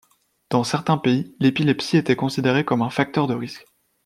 Dans certains cas, l'épilepsie était considérée comme un facteur de risque.